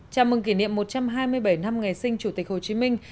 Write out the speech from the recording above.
chào mừng kỷ niệm một trăm hai mươi bảy năm ngày sinh chủ tịch hồ chí minh